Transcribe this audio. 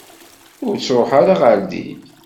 Ur ttruḥ ara ɣer din.